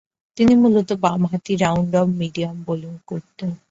তিনি মূলতঃ বামহাতি রাউন্ড-আর্ম মিডিয়াম বোলিং করতেন।